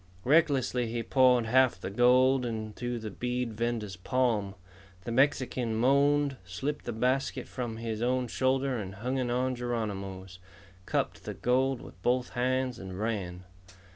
Recklessly he poured half the gold into the bead vendor's palm. The Mexican moaned, slipped the basket from his own shoulder and hung it on Geronimo's, cupped the gold with both hands, and ran.